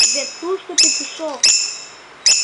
Вет тушто Петушок!